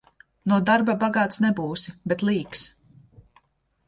No darba bagāts nebūsi, bet līks.